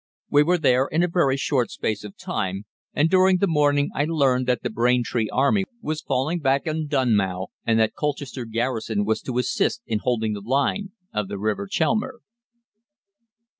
We were there in a very short space of time, and during the morning I learned that the Braintree Army was falling back on Dunmow, and that the Colchester garrison was to assist in holding the line of the river Chelmer."